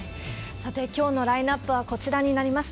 さて、きょうのラインナップはこちらになります。